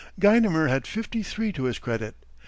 Guynemer had fifty three to his credit.